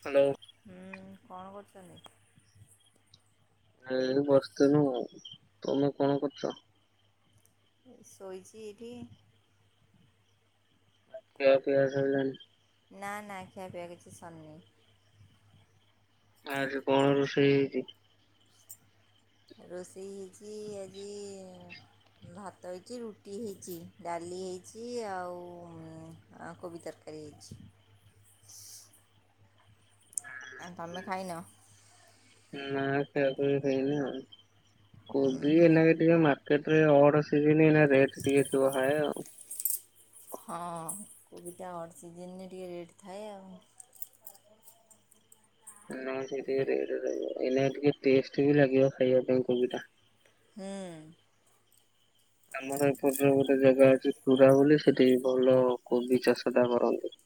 Hello ହୁଁ କଣ କରୁ। [inaudible] ଏଇ ବସ୍ତିନୁ ତମେ କଣ କରୁଚ? ସୋଇ ଚି ଏଇଠି। ଖିଆ ପିଆ ସିଲାଣି? ନା ନା ଖିଆ ପିଆ କିଛି ସନ୍ନି। ଆଜି କଣ ରୋଷେଇ ହେଇଚି? ରୋଷେଇ ହେଇଚି ଆଜି ଭାତ ହେଇଚି ରୁଟି ହେଇଚି ଡାଲି ହେଇଚି ଆଉ କୋବି ତରକାରୀ ହେଇଛି। ଆ ତମେ ଖାଇନ? ନା ଖିଆ ପିଆ କିଛି ହେଇନି ଆଉ। କୋବି ଏଇନାଗେ ଟିକେ ମା କେତେ ଅଡ ସିଜିନୀ ଏଇନା ରେଟେ ଟିକେ ଥିବ ହାଏ ଆଉ। [inaudible] ହଁ କୋବିଟା ଅଡ୍ ସିଜେନରେ ଟିକେ ରେଟ୍ ଥାଏ ଆଉ। [inaudible] ନା ସେ ଟିକେ ରେ ରେ ରହିବ ଏଇନା ଟିକେ ଟେଷ୍ଟ ବି ଲାଗିବ ଖାଇବା ପାଇଁ କୋବି ଟା। ହୁଁ। ଆମର ଏପରସ ଗୋଟେ ଜାଗା ଅଛି ଟୁଡା ବୋଲି ସେଠି ଭଲ କୋବି ଚାଷଟା କରନ୍ତି।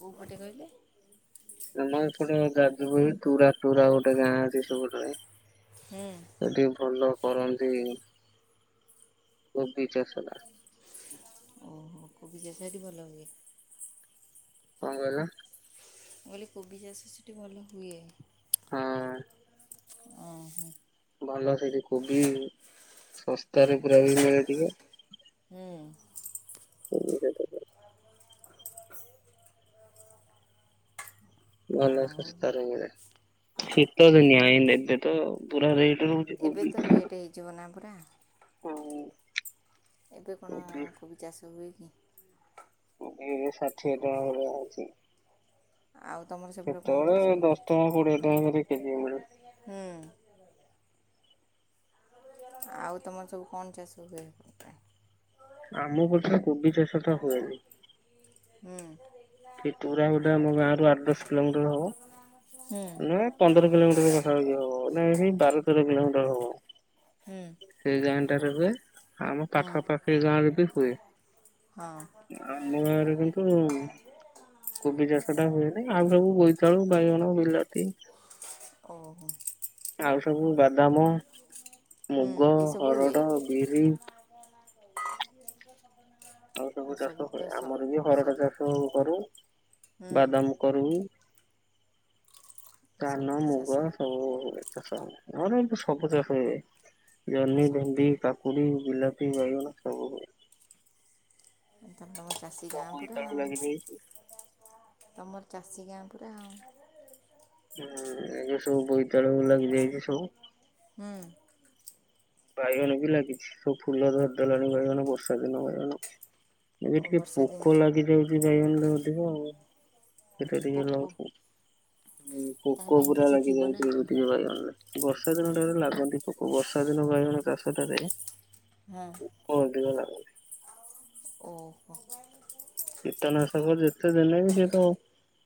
କୋଉ ପଟେ କହିଲେ? ଆମ ଏପଟେ ଯାଯୁ ପୁରେ ଟୁଡୀରା ଟୁରା ଗୋଟେ ଗାଁ ଅଛି ସେପଟରେ। ହୁଁ ଏଟି ଭଲ କରନ୍ତି [inaudible] କୋବି ଚାଷ ଟା। ଓହୋ କବିଆ ଚାଷ ଏଠି ଭଲ ହୁଏ। କଁ କହିଲ? ମୁକହିଲି କୋବି ଚାଷ ସେଠି ଭଲ ହୁଏ। [inaudible] ହଁ ଉଁ ହୁଁ। ଭଲ ସେଠି କୋବି ଶସ୍ତାରେ ପୁରା ବି ମିଳି ଯିବ। ହୁଁ। [unintelligible] ଭଲ ଆଉ ଶସ୍ତା ରେ ମିଳେ। ଠିକ। ତୋଦୁ ନିଆଁ ଆଇନ ରାଜ୍ୟ ତ ପୁରୁରା ରେଟ ଏବେ ତ ରହୁଛି। ରେଟ୍ ହେଇଯିବ ନା। ହଁ। ଏବେ କଣ କୋବି ଚାଷ ହୁଏ କି? [inaudible] ଏବେ ଷାଠିଏ ଟଙ୍କା ଅଛି। ଆଉ ତୁମର ସେପଟେ କ'ଣ ଚାଷ ସେତେବେଳେ ହୁଏ ଦଶ ଟଙ୍କା କୋଡିଏ ଟଙ୍କା କେଜି ମି। ହୁଁ ଆଉ ତମର ସବୁ କଣ ଚାଷ ହୁଏ? ଆମ ପଟରେ କୋବି ଚାଷ ଟା ହୁଏନି। ହଁ। ସେ ତୁରା ଗୋଡା ଆମ ଗାଁ ରରୁ ଆଠ ଦଶ କିଲୋମିଟର ହବ। ହୁଁ ନ ପନ୍ଦର କିଲୋମିଟର ପାଖଏ ହବ ନା ସେ ବାର ତର କିଲୋମିଟର ହବ ହୁଁ ସେ ଯା। ଟରେବେ ଆମ ହୁଁ ପାଖାପାଖି ଗାଁରେ ବି ହୁଏ ହଁ ଆମ ଗାଁରେ କିନ୍ତୁ କୋବି ଚାଷ ଟା ହୁଏନି ଆମ ସବୁ ବୋଇତାଳୁ ବାଇଗଣ ବିଲା। ଓହୋ। ଆଉ ସବୁ ବାଦାମ ହୁଁ ମୁଗ ଏସବୁ ହୁଏ ହରଡ଼ ବିରି ଆଉ ସବୁ ଚାଷ ହୁ ଆମର ବି ହରଡା ଚାଷ କରୁ। ବାଦାମ କରରୁୁ ସବୁ କାନ ତ ଚାଷ ମୁଗ ସବୁ ଚାର ଖବ ଶଣିବେ ଆଉ ଜହ୍ନି ସବୁ ତ ଭେଣ୍ଡି କାକୁଡି ବିଲାତି ବାଇଗଣ ତଉ ଏ। ସମଇସଳ ଲାଗି ରହିଛି। ତୁମର ଚାଷୀ ଗାଁ ପୁରା ଆଉ। ହୁଁ ଏଗ ସବୁ ବହି। ଚଳୁ ଲାଗି ଯାଇଛି ସବୁ। ହୁଁ ବାଇଗଣ ବି ଲାଗିଛି ସବୁ ଫୁଲ ଧରିଦଲାଣି ବାଇଗଣ ବର୍ଷା ଦିନ ବାଇଗଣ। ଓ ଏବେ ଟିକେ ବର୍ଷା ପୋକ ଦିନିଆ ଲାଗିଯାଉଛି ବାଇଗଣରେ ଅଧିକ ଆଉ। ପୋକ ସେଟିକର୍ଷ ତା ପୋକ ପାଇଁ ପୁରା କିଛି ଲାଗି ଥିବ ନା ଯାଇଥିଲା ଗୋଟିଇଣେ ବର୍ଷା ଦିନାରେ ଲାଗନ୍ତି ପୋକ ବର୍ଷା ଭିନ ବାଇଗଣ ଚାଷ ରେ ହଁ ହଠ କ ଓହୋ। କୀଟନାଶକ ଯେତେ ଦେନେ ବି ସିଏ ତ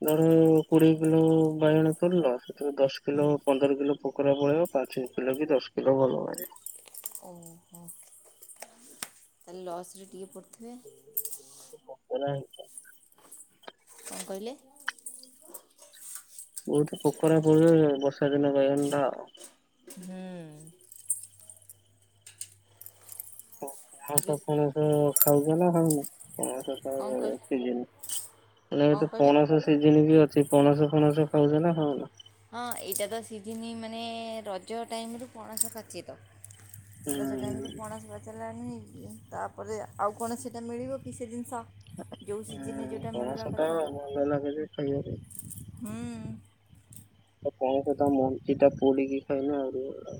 ଧର କୋଡିଏ କିଲୋ ବାଇଗଣ କରିଲ ତ ଦଶ ହୁଁ କିଲୋ ପନ୍ଦର କିଲୋ ପୋକୋରା ପଳେଇବ ପାଞ୍ଚ କିଲୋ କି ଦଶ କିଲୋ ଭଲ ବାହାରିବ। ଓହୋ ତାଲେ ଲସରେ ଟିକେ ପ ଓ କଣ କହିଲେ? ବହୁତ ପୋକରା ପଡିବ ସେଇ ବର୍ଷା ଦିନ ବାଇଗଣ ଟା ଆଉ। ହୁଁ। ଟିକେ ପଣସ ଫଣସ ଖାଉଛ ନା ଖାଉନ? ପଣସ ତାର କ'ଣ କହ ସିଜିନ୍ ମାନେ କ'ଣ ଗୋଟେ କହିଲେ ପଣାସ ସିଜିନ୍ ବି ଅଛି ପଣାସ ଫଣାସ ଖାଉଚ ନା ଖାଉନ? ହଁ ଏଇଟା ତ ସିଜିନି ମାନ ନେ ରଜ ଟାଇମରୁ ପଣସ ପାଚେ ତ ରଜ ଟାମରୁ ହୁଁ। ପଣାସ ପାଚିଲାଣି। ତାପରେ ଆଉ କଣ ସେଇଟା ମିଳିବ କି ସେ ଜିନିଷ। ଯୋଉ ସିଜିନରେ ଯୋଉଟା ପଣସ ମିଳିବା ଟା କଥା ଭଲ ଲାଗେ ଯେ ଖାଇବାକୁ ହୁଁ। ତ ପଣସ ତା ମଞ୍ଚିଟା ପୋଡ଼ିକି ଖାଇଲେ ଆହୁରି ଭଲ ଲାଗେ।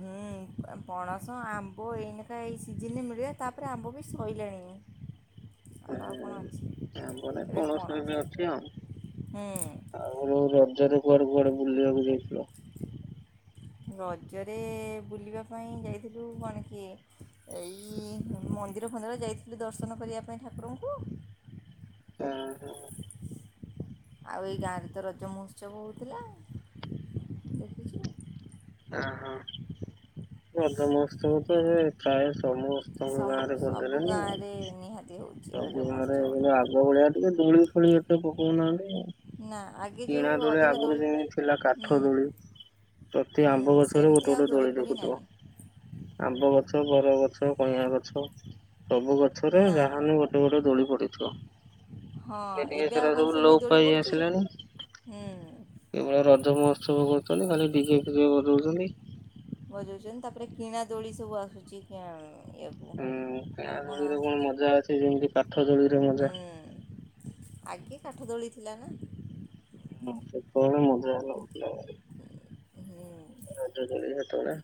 ହୁଁ ପଣସ ଆମ୍ବ ଏଇନାକା ଏଇ ସିଜନରେ ମିଳିବ ତାପରେ ଆମ୍ବ ବି ସଇଲାଣି। ଆମ୍ବ ଆଉ କ'ଣ ଅଛି ହୁଁ ଆମ୍ବ ନାଇଁ ପଣସ ଏବେ ଅଛି ଆଉ ହୁଁ ଆଉ ରଜରେ କୁଆଡେ କୁଆଡେ ବୁଲିଆକୁ ଯାଇଥିଲ? ରଜରେ ବୁଲିବା ପାଇଁ ଯାଇଥିଲୁ କଣ କି ଏଇ ମନ୍ଦିର ଫନ୍ଦିର ଯାଇଥିଲୁ ଦର୍ଶନ କରିବା ପାଇଁ ଠାକୁରଙ୍କୁ ଆଉ ଏଇ ଗାଁରେ ତ ରଜ ମହୋତ୍ସବ ହଉଥିଲା ଦେଖିଛୁ ଅ ହ। ରଜ ମହୋତ୍ସବ ଏ ସେ ପ୍ରାଏ ସମସ୍ ସମୁ ସବୁ ଗାଁରେ ନିହାତି ହଉ ସବୁ ଗାଁରେ କିନ୍ତୁ ଆଗ ଭଳିଆ ଟିକେ ଦୁଳି ଫୁଳି ଏତେ ପକଉନାହାନ୍ତି ଆଉ। ନା ଆଗେ ଯେଉଁ କିଣା ଦୋଳି ଅଧିକ ଆଗରୁ ଯେମିତି ଥିଲା କାଠ ଦୋଳି ପ୍ରତି ଆମ୍ବ ଗଛରେ ସେମିତି ଗୋଟେ ଆଉ ଗୋଟେ ଦୋଳି ଫୋଳି ଦେଖୁଥିବ ନାହିଁ ଆମ୍ବ ଗଛ, ବରଗଛ କଇଁଆ ଗଛ ସବୁ ଗଛରେ ନା ଯାହାନେ ଗୋଟେ ଗୋଟେ ଦୋଳି ପଡିଥିବ ହଁ [unintelligible] ଏବେ ସବୁ ଲୋପ ପାଇ ଆସିଲାଣି। ହୁଁ। କେବଳ ରଜ ମହୋତ୍ସବ କରୁଚନ୍ତି ଖାଲି ଡିଜେ ଫିଜେ ବଜୋଉଚନ୍ତି। ଵଯୋଉଚନ୍ତି ତାପରେ କିଣା ଦୋଳି ସବୁ ଆସୁଚି [unintelligible] ହୁଁ କାଇଁ ସେଥିରେ କଣ ମଜା ଅଛି ଯେମତି କାଠ ଦୋଳିରେ ମଜା। ହୁଁ ଆଗେ କାଠ ଦୋଳି ଥିଲା ନା। ହୁଁ ସେତୋବେଳେ ମଜା ହେଲା ଅଲଗା ରଜ ଦୋଳି ସେତୋବେଳେ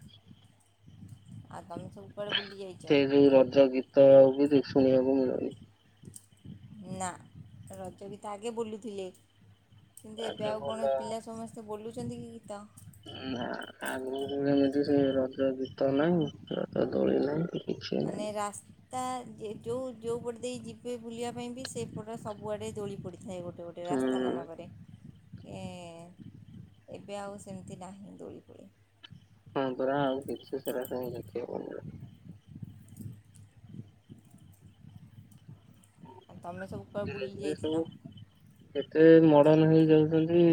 ଆଉ ତମେ ସବୁ କୁଆଡ଼େ ବୁଲି ଯାଇଛ ସେ ଯୋଉ ରଜ ଗୀତ ଆଉ ବି ଶୁଣିବାକୁ ମିଳୁନି। ନା ରଜ ଗୀତ ଆଗେ ବୋଲୁଥିଲେ। କିନ୍ତୁ ଏବେ ଆଗେ ଆଉ ଭଲ କଣ ଏ ପିଲା ସମସ୍ତେ ବୋଲୁ ଛନ୍ତି କି ଗୀତ। ନା ଆଗରୁ ଯେମିତି ସେ ରଜ ଗୀତ ନାହିଁ ରଜ ଦୋଳି ନାହିଁ। କିଛି ନାହିଁ। ମାନେ ରାସ୍ ରାସ୍ତା ଯୋଉ ଯୋଉ ପଟ ଦେଇ ଯିବେ ବୁଲିବା ପାଇଁ ବି ସେଇପଟ ସବୁଆଡ଼େ ଦୋଳି ପଡ଼ିଥା। ଥାଏ ଗୋଟେ ଗୋଟେ ହୁଁ ରାସ୍ତା ମାନଙ୍କରେ। ଏଁ ଏବେ ଆଉ ସେମିତି ନାହିଁ ଦୋଳି ଫୋଳି। ହଁ ପରା ଆଉ କିଛି ସେରା ସବୁ ଦେଖିବାକୁ ମିଳୁନି। ଆଉ ତମେ ସବୁ କୁଆଡ଼େ ଧୀରେ ବୁଲି ଧୀରେ ସବୁ ଯାଇଥିଲ ଏତେ ମଡ଼ନ୍ ହେଇଯାଉଛନ୍ତି।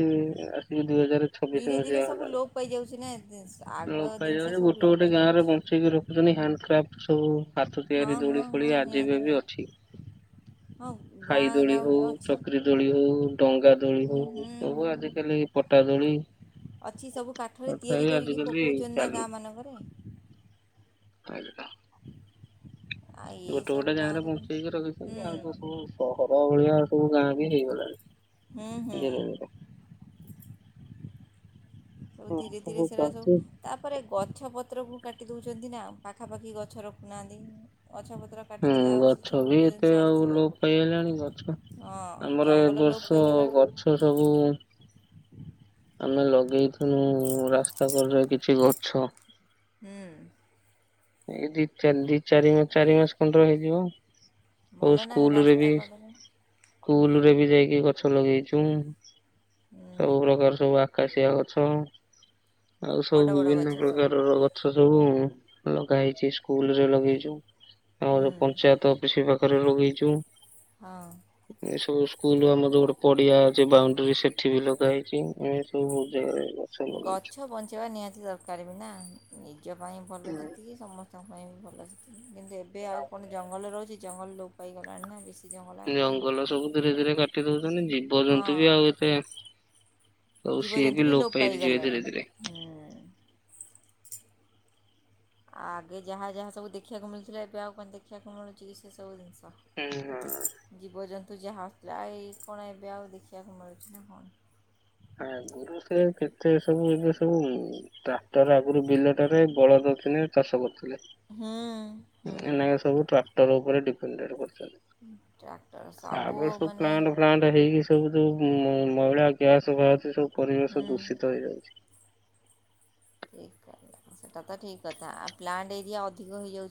[unintelligible] ଛବିଶ ଧୀରେ ଧୀରେ ମସିହା ସବୁ ହେଲାଣି। ଲୋପ ପାଇଯାଉଛି ନା ଏ ଲୋପ ପାଇାଯାଉଚି ଗୋଟେ ଗୋଟେ ଗାଁରେ ବଞ୍ଚେଇକି ରଖୁଚିନ୍ତି ହ୍ୟାଣ୍ଡ। କ୍ରାପ୍ଟ ସବୁ। ହାତ ହଁ ତିଆରି ଦୋଳି ହଁ ଫୋଳି ହଁ ଆଜିିବେ ନିହାତି ଭି ନିହାତି ଅଛି ହଁ ଖାଇ ଗାଁ ଦୋଳି ହଉ ଗାଉଁଲି ଅଛି ଚକ୍ରି ଦୋଳି ହଉ ଡଙ୍ଗା ଦୋଳି ହୁଁ ହଉ ହୁଁ ସବୁ ହୁଁ ଆଜିକାଲି ପଟା ଦୋଳି। ଅଛି ସବୁ କାଠରେ ତିଆରି ତଥାପି କରି। କରି ଆଜିକାଲି ପକୋଉଚନ୍ତି ନା ଗାଁ ଚାଲୁଛି ମାନଙ୍କରେ। [unintelligible] ଆଉ ଗୋଟେ ଏସବୁ ଗୋଟେ ଜାଗରେ ଗାଁରେ ବଞ୍ଚେଇକି ହୁଁ ରଖିଛନ୍ତି ଆଉ ସବୁ ସହର ଭଳିଆ। ସବୁ ଗାଁ ବି ହେଇଗଲାଣି। ହୁଁ ହୁଁ। ଧୀରେ ଧୀରେ। ସବୁ ହଁ ଧୀରେ ଧୀରେ ସବୁ ସେଇରା ଚାଲିଛି। ସବୁ ତାପରେ ଗଛପତ୍ରକୁ କାଟି ଦେଉଛନ୍ତି ନା ଆଉ। ପାଖାପାଖି ଗଛ ରଖୁନାହାନ୍ତି। ଗଛପତ୍ର ହୁଁ କାଟିଦେଲେ ଆଉ ସେ ଗଛ ସବୁ ବି ଏତେ ଜିନିଷ ଆଉ ଆସିବ ଲୋପ କେଉଁଠୁ ପାଇଗଲାଣି ଗଛ ହଁ ଆମର ଏ ଜଙ୍ଗଲ ଲୋପ ବର୍ଷ ପାଇଗଲାଠୁ ଗଛ ସବୁ। ଆମେ ଲଗେଇଥିଲୁ ରାସ୍ତା କଡ଼ରେ କିଛି ଗଛ। ହୁଁ, ଏଇ ଦି ଚାରି, ଦି ଚାରି ମାସ, ଚାରି ମାସ, ଖଣ୍ଡର ହେଇଯିବ। ଆଉ ଭଲ ନା ସ୍କୁଲ ରେ ବି ରାସ୍ତା, କଡ଼ରେ। ସ୍କୁଲ, ରେ ବି ଯାଇକି ଗଛ, ଲଗେଇଛୁ। ହୁଁ ସବୁ ପ୍ରକାର, ସବୁ ଆ ଆକାଶିଆ, ଗଛ। ଆଉ, ସବୁ ବଡ଼ ବଡ଼ ବିଭିନ୍ନ ଗଛ ସବୁ ପ୍ରକାରର, ଗଛ ସ ସବୁ ଲଗା ହେଇଛି, ସ୍କୁଲ, ରେ ଲଗେଇଛୁ ୲ ଆଉ ଯୋଉ, ହୁଁ ପଞ୍ଚାୟତ ଅଫିସ, ବି ଘରେ, ଲଗେଇଛୁ ୲ ହଁ ଏସବୁ- ସ୍କୁଲ, ଆମ ଯୋଉ ଗୋଟେ ପଡିଆ ଅଛି ୲ ବାଉଣ୍ଡ୍ରୀ, ସେଠି ବି ଲଗା ହେଇଛି ୲ଏ ସବୁ ବହୁତ, ଜାଗା ଗଛ, ବଞ୍ଚେଇବା ନିହାତି, ଦରକାର ବି ନା ୲ ନିଜ ପାଇଁ, ଭଲ ଯେତିକି, ସମସ୍ତେ ତା ପାଇଁ, ବି ଭଲ ସେଥିକି ୲ କିନ୍ତୁ, ଏବେ ଆଉ କଣ, ଜଙ୍ଗଲରେ ରହୁଛି? ଜଙ୍ଗଲ, ଲୋପ ପାଇ ଗଲାଣି, ନା ବେଶୀ୲ ଜଙ୍ଗଲ ଆଉ କାହିଁ ଜଙ୍ଗଲ ସବୁ, ଧୀରେ, ଧୀରେ କାଟି ଦଉ ମାନେ ଜୀବ, ଜନ୍ତୁ ବି ହଁ ଆଉ ଏତେ ୲ସବୁ ସିଏ ଜୀବଜନ୍ତୁ ବି, ଲୋପ ପାଇ ଯିବେ ପାଇଗଲାଣି ଧୀରେ, ଧୀରେ ୲ ହୁଁ ଆଗେ ଯାହା, ଯାହା ସବୁ ଦେଖିବାକୁ ମିଳୁଥିଲା ୲ଏବେ ଆଉ କଣ, ଦେଖିବାକୁ ମିଳୁଛି କି, ସେ ସବୁ ଜିନିଷ? ହୁଁ, ହୁଁ- ତୁ ଯାହା, ଯା ଏଇ କୁନେ, କଣ ଏବେ ଆଉ, ଦେଖିବାକୁ ମିଳୁଛି ନା, କଣ? ଆଗରୁ ସେ କେତେ, ସବୁ ଏବେ ସବୁ, ଟ୍ରାକ୍ଟର ଆଗରୁ ବିଲରେ ବଳଦ, ଥିଲେ ଚାଷ କରୁ ଏ, ହୁଁ ହୁଁ ନା ସବୁ ଟ୍ରାକ୍ ଟର, ଉପରେ ଡିପେଣ୍ଡେଟ, କରୁ ତା ପରେ, ସବୁ ପ୍ଲାଣ୍ଟ, ଫ୍ଲାଣ୍ଟ ହେଇକି ସବୁ ଯଉ, ମଇଳା, ଗ୍ୟାସ୍ ସଭ, ସବୁ- ପରିବେଶ ହୁଁ ଦୂଷିତ, ହେଇଯାଉଛି ୲ ସେଟା ତ, ଠିକ୍ କଥା ୲ ଆ, ପ୍ଲାଣ୍ଟ ଏରିଆ, ଅଧିକ ହେଇଯାଉଛି ୲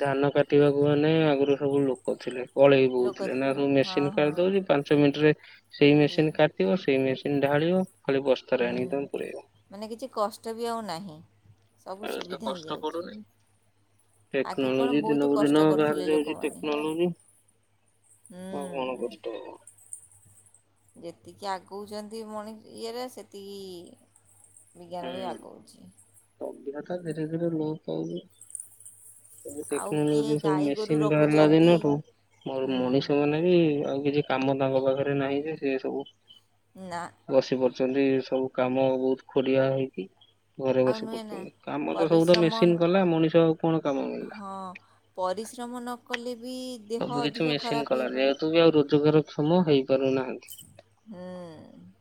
ଧାନ, କାଟିବାକୁ ମାନେ, ଆଗରୁ ସବୁ ଲୋକ, ଥିଲେ ୲ କଳେଇ, ଲୋକ ବହୁଥିଲେ ୲ ଏ, ଥିଲେ ନା ହଁ ମେସିନ ହଁ କାଟି ଦଉଛି ୲ପାଞ୍ଚ ମିନିଟ ରେ, ସେଇ ଠିକ୍ ମେସିନ କାଟିବ ୲ ସେଇ, ମେସି ଢାଳିବ- ଖାଲି ବସ୍ତାରେ ହୁଁ ଆଣିକି ତମେ ପୁରେଇବ। ମାନେ କିଛି କଷ୍ଟ ବି ଆଉ ନାହିଁ। ସବୁ ଏ ତ ସୁବିଧା କଷ୍ଟ ହେଇଯାଉଛି ପଡୁନି ଆଗେ କ'ଣ ଟେକ୍ନୋଲୋଜି ବହୁତ ଦିନକୁ କଷ୍ଟ ଦିନ ବାହାରି କରୁଥିଲେ ଯାଉଚି ଲୋକମାନେ ଟେକ୍ନୋଲୋଜି ଆଉ କଣ ହୁଁ କଷ୍ଟ ହବନି ଯେତିକି ଆଗଉଛନ୍ତି ମଣି ଇଏରେ ସେତିକି ବିଜ୍ଞାନ ବି ଆଗଉଚି। ସଭିଧତା ଧୀରେ ଧୀରେ ଲ ପାଉବ। ସବୁ ଆଉ କିଏ ଟେକ୍ନୋଲୋଜି ସବୁ ଗାଈ ଗୋରୁ ମେସିନ ବାହାରିଲା ରଖୁଛନ୍ତି ଦିନଠୁ ମୋର ହୁଁ ମଣିଷ ମାନେ ବି ଆଉ କିଛି କାମ ତାଙ୍କ ପାଖରେ ନାହିଁ ଯେ ସେ ସବୁ ନା। କରଛନ୍ତି ସବୁ କାମ ବହୁତ ଖଡିଆ ହେଇକି ଘରେ ଆଉ ବସ। ପରିଶ୍ରମ ମଣିଷ ଆଉ କଣ କାମ ମିଳିଲା। ହଁ ପରିଶ୍ରମ ନକଲେ ବି ଦେହ ସବୁ କିଛି ଅଧିକ ମେସିନ ଖରାପ କଲା ହେଇପଡ଼େ। ଯେହେତୁ ବି ଆଉ ରୋଜଗାରକ୍ଷମ ହେଇ କରନାହାନ୍ତି, ହୁଁ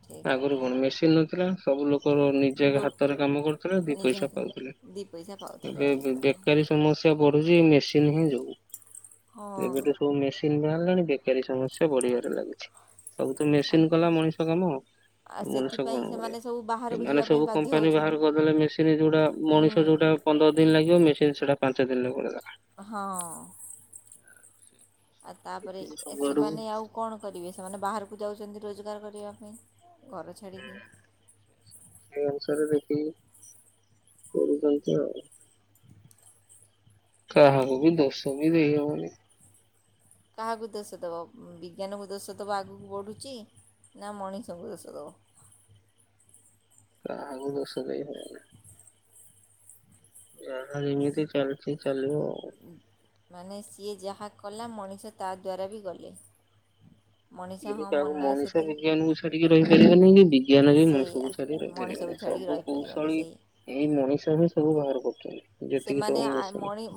ଠିକ୍ ଆଗରୁ କଥା କଣ ମେସିନ୍ ନଥିଲା। ସବୁ ଲୋକ ର ନିଜେ ଲୋକ୍ ହାତରେ କାମ କରୁଥିଲେ ଦି ନିଜ ପଇସା ହାତରେ ପାଉଥିଲେ ଦୁଇ ପଇସା ପାଉଥିଲେ ଠିକ୍ ଏବେ କଥା। ବେକାରୀ ସମସ୍ୟା ବଢୁଛି ମେସିନ୍ ହିଁ ଯଉଁ। ହଁ ଏବେଠୁ ସବୁ ମେସିନ ବା ିଲଣି ବେକାରୀ ସମସଯ୍ୟା ବଢିବାରେ ଲାଗୁଚି। ସବୁ ତ ଆ ମେସିନ କଲା ମଣିଷ କାମ, ଆଉ ମଣିଷ ସେଥିପାଇଁ କଣ କ ସେମାନେ ସବୁ ବାହାରକୁ ସେମାନେ ଯିବା ପାଇଁ ସବୁ ବାଧ୍ୟ କମ୍ପାନୀ ହେଉଛନ୍ତି। ବାହାର କରିଦେଲେ ମେସିନ ଯୋଉଟା ହୁଁ ମଣିଷ ଯୋଉଟା ପନ୍ଦର ଦିନ ଲାଗିବ ମେସିନ ସେଟା ପାଞ୍ଚ ଦିନ ଲୋ ହଁ। ଆଉ ତାପରେ ଦେଖିକି ଏ ସବୁ ଆଡକୁ ସେମାନେ ଆଉ କଣ କରିବେ ସେମାନେ ବାହା କୁ ଯାଉଛନ୍ତି ରୋଜଗାର କରିବା ପାଇଁ। ଘର ଛଡ଼ିକି। ଷରେ ଦେଖିକ କରୁଛନ୍ତି ଆଉ। କାହାକୁ ବି ଦୋଶୋ ବି ଦେଇ ହୋଉନି। କାହାକୁ ଦୋଷ ଦେବ ବିଜ୍ଞାନକୁ ଦୋଷ ଦେବା ଆଗକୁ ବଢ଼ୁଚି ନା ମଣିଷଙ୍କୁ ଦୋଷ ଦେବ। କାହାକୁୁ ଦୋଷଦେଇ ହେବନି। ଯା ଏମିତି ଚାଲିଚି ଚାଲିବ। ଆଉ। ମାନେ ସିଏ ଯାହା କଲା ମଣିଷ ତା ଦ୍ୱାରା ବି ଗଲେ। ମଣିଷ କିୁ ହଁ କାହାକୁ ମନ ମଣିଷ ସେଥିରେ ବିଜ୍ଞାନ କୁ ଛଡିକି ରହିପାରିବନି, କି ବିଜ୍ଞାନ ବି ମଣିଷ ସେଇଆ କୁ ଛାଡିକି ରହିପ ମଣିଷକୁ ପାରିବନି ଛାଡ଼ିକି ସବୁ ରହିପାରିବନି କୌଶଳୀ ସେଇ ଏଇ ମଣିଷ ହିଁ ସବୁ ବାହାର କର ହ। ସେମାନେ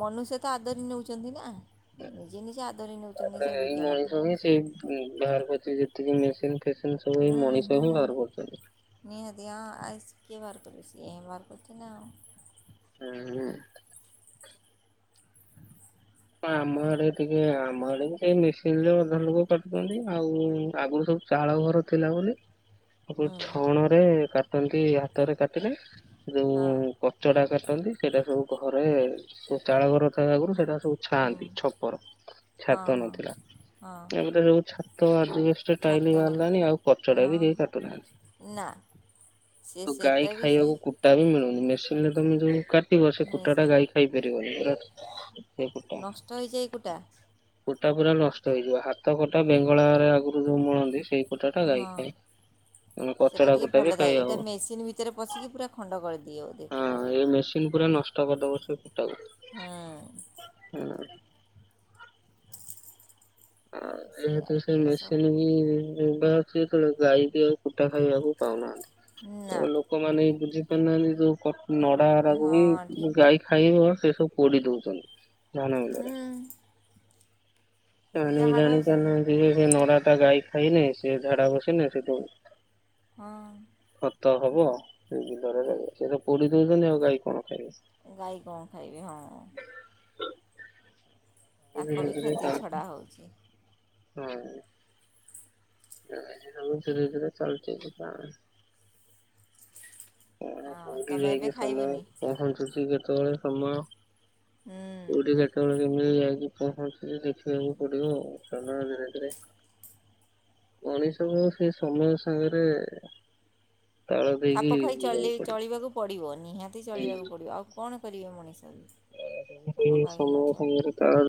ମନୁଷ୍ୟ ତ ଆଦରି ନେଉଚନ୍ତି ନା। ନିଜେ ନିଜେ ଆଦରି ନେଉଛନ୍ତି ତାପରେ ସେ ବିଜ୍ଞାନକୁ। ପ ଯେତିକି ମେସିନ୍ ଫ ସବ ହୁଁ ମଣିଷ ହୁଁ ହ ବାହାର କରଛନ୍ତି। ନିହାତି ହଁ ଆଉ କିଏ ବାର କରିଛି ଏଁ ବାର କରଛ ନା ଆଉ ହୁଁ। ଆମ ଆଡେ ଟିକେ ଆମ ଆଡେ ମେସିନରେ ଅଧା ଲୋକ କାଟୁଛନ୍ତି ଆଉ ଆଗରୁ ସବୁ ଚାଳ ଘର ଥିଲା ବୋଲି। ଆ ହୁଁ ଛଣ ରେ କା କଟଛନ୍ତି ହାତରେ କାଟିଲେ ହଁ ଯୋଉ କଚ ଡା କରିନ୍ତି ସେଇଟା ସବୁ ଘରେ ସ ଚାଳ ଘର ଆଗରୁ ସେଇଟା ଛାଆନ୍ତି ଛପର ହଁ ଛାତ ହଁ ନଥିଲା ହଁ ଏପ ସବୁ ଛାତ ଆ ଛାତ ଟାଇଲି ହେଲା ବାହାରିଲାାନି ଆଉ କଚଟା ବି କେ ହଁ କାଟୁନାହାନ୍ତି ନା ସେ ଆଉ ଗାଈ ସେଟା ବି ସେ ଖାଇବାକୁ କୁଟା ବି ମିଳୁନି। ଲେ ତମେ ଯୋଉ କାଟିବ ସେ କୁଟା ଟା ଗାଈ ଖାଇ ପାରିବନି ପୁରା। ସେ ନଷ୍ଟ ହୋଇଯାଏ ଏ ଗଟା ଫୁଟା ପୁରା ନଷ୍ଟ ହେଇଯିବ ହାତ କଟା ବେଙ୍ଗଳରେ ଆଗରୁ ଯୋଉ ମିଳନ୍ତି ସେଇ କୁଟା ଟା ଗାଈ ହଁ ଖଏ ସେଇଟା କଚଡା ଟିକେ କୁଟା ଭଲ ବି ଥାଏ ଖାଇ ଏଇଟା ମେସିନ୍ ଭିତରେ ହବ ପଶିକି ପୁରା ଖଣ୍ଡ କରିଦିଏ ବୋଧେ କୁଟାକୁ ହଁ ଏଇ ମେସିନ ପୁରା ନଷ୍ଟ କରିଦବ ସେ ଫୁଟାକୁ। ହୁଁ ଆ ସେଇଆ ଏହତ ସେ ଏସବୁ ମେସିନ୍ କି ଯବେ ଆସେବେଳେ ଗାଈକି ଆଉ କୁଟା ଖାଇବାକୁ ପାଉନାହାନ୍ତି। ନା ତ ଲୋକମାନେ ବୁଝି ପାରୁନାହାନ୍ତି ଯୋଉ ଗୁ ନଡା ହରାକୁ ହଁ ବି ଠିକ୍ ଗାଈ ଖାଇବ। ସେ ସବୁ ପୋଡ଼ି ଦେଉଛନ୍ତି। ଜାନଲରେ ହୁଁ ଜଣି ବି ଯାହାର ଜାଣି ଚା। ସେ ନଡ଼ ତା ଗାଈ ଖାଇନ ସେ ଝାଡା ବସେନେ ସେଠୁ ହଁ। ତ ହବ ସେଇ ଭିତରେ ସେଟ ପୋଡି ଦଉଛନ୍ତିନି ଆଉ ଗାଈ କଣ ଖାଇବ। ଗାଈ କଣ ଖାଇବି ହଁ। ତାଙ୍କ ଧୀରେ ବି ଧୀରେ ଖାଦ୍ୟ ଚାଲିଛି ଛଡ଼ା ହଉଛି। ହଁ। ଶ ଚାଲଚିତଥିଲା। କଣ ଆଉ କୋଉଠି ତମେ ଏବେ ଯାଇକି ସମୟ ଖାଇବନି ପହଞ୍ଚୁଛି କେ ତ ସମୟ ହୁଁ କୋଉଠି ସେତେବେଳେ କେ ଯାଇକି ପହଞ୍ଚିକି ଦେଖିବାକୁ ପଡିବ ଆ ଧୀରେ ଧୀରେ ମଣିଷକୁ ସେ ସମୟ ସାଙ୍ଗରେ ତାଳ ଦେଇକି ଖାପ ଖାଇ ଚଳୀଲେ ଯିବାକୁ ପଡିବ। ଚଳିବାକୁ ପଡିବ ନିହାତି ଚଳିବାକୁ ପଡିବ ଆଉ କଣ କରିବେ ମଣିଷ। ବି ସେ ଖାପ ଖାଇକି ନ ସମୟ ଚଳିଲେ ସାଙ୍ଗରେ ତାଳ ଦେ